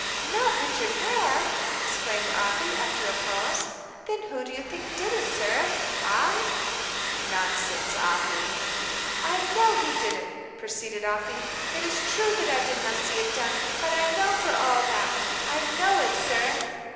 "Not Richard Hare!" exclaimed Afy, after a pause. "Then who do you think did it, sir I?" "Nonsense, Afy." "I know he did it," proceeded Afy. "It is true that I did not see it done, but I know it for all that. I know it, sir."